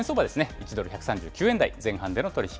１ドル１３９円台前半での取り引